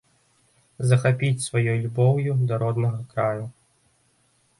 Захапіць сваёй любоўю да роднага краю.